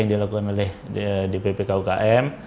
yang dilakukan oleh ppk umkm